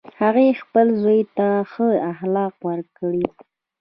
هغې خپل زوی ته ښه اخلاق ورکړی